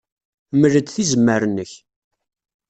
Mel-d tizemmar-nnek.